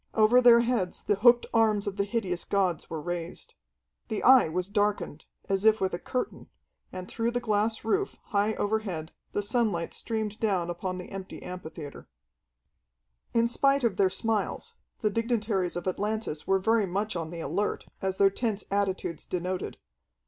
Over their heads the hooked arms of the hideous gods were raised. The Eye was darkened, as if with a curtain, and through the glass roof, high overhead, the sunlight streamed down upon the empty amphitheatre. In spite of their smiles, the dignitaries of Atlantis were very much on the alert, as their tense attitudes denoted.